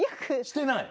してない？